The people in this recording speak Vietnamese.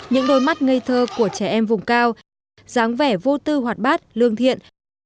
những đôi mắt ngây thơ của trẻ em vùng cao dáng vẻ vô tư hoạt bát lương thiện